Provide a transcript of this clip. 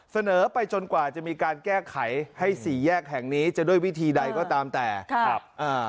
เสนอไปจนกว่าจะมีการแก้ไขให้สี่แยกแห่งนี้จะด้วยวิธีใดก็ตามแต่ครับอ่า